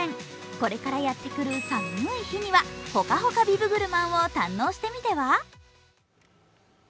これからやってくる寒い日にはほかほかビブグルマンを堪能してみては？